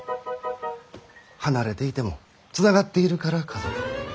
離れていてもつながっているから家族。